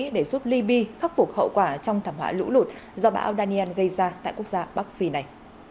để giúp liby khắc phục hậu quả trong thảm họa lũ lụt do bão au daniel gây ra tại quốc gia bắc phi này